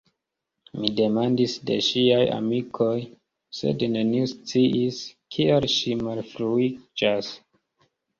Mi demandis de ŝiaj amikoj, sed neniu sciis, kial ŝi malfruiĝas.